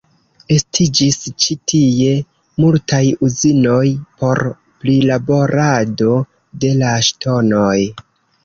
Estiĝis ĉi tie multaj uzinoj por prilaborado de la ŝtonoj.